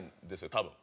多分。